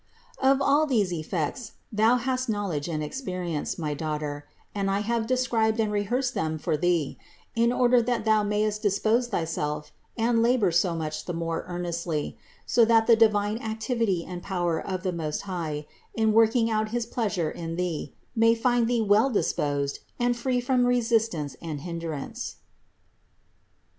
Of all these effects thou hast knowledge and experience, THE INCARNATION 145 my daughter, and I have described and rehearsed them for thee, in order that thou mayest dispose thyself and labor so much the more earnestly; so that the divine activity and power of the Most High, in working out his pleasure in thee, may find thee well disposed and free from resistance and hindrance.